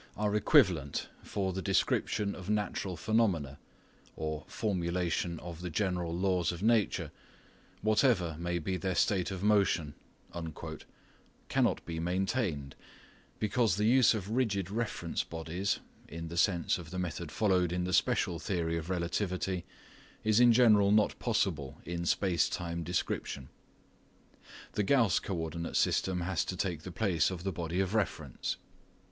are equivalent for the description of natural phenomena (formulation of the general laws of nature), whatever may be their state of motion," cannot be maintained, because the use of rigid reference bodies, in the sense of the method followed in the special theory of relativity, is in general not possible in space time description. The Gauss co ordinate system has to take the place of the body of reference.